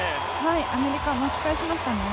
アメリカ、巻き返しましたね